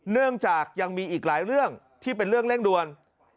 เนื่องจากยังมีอีกหลายเรื่องที่เป็นเรื่องเร่งด่วน